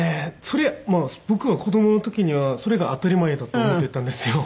そりゃまあ僕が子どもの時にはそれが当たり前だと思ってたんですよ。